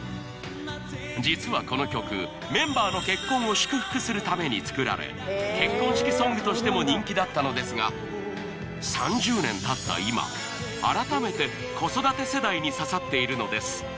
実はこの曲メンバーの結婚を祝福するために作られ結婚式ソングとしても人気だったのですが３０年たった今改めて子育て世代に刺さっているのです